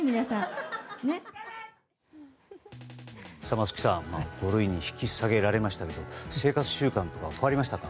松木さん、五類に引き下げられましたけども生活習慣とか変わりましたか。